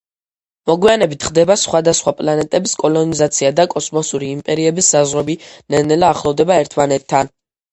მოგვიანებით, ხდება სხვადასხვა პლანეტების კოლონიზაცია და კოსმოსური იმპერიების საზღვრები ნელ-ნელა ახლოვდება ერთმანეთან.